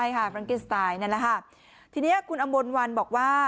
ใช่ค่ะฟรังกิสไตล์นั่นแหละค่ะทีนี้คุณอำมลวันบอกว่า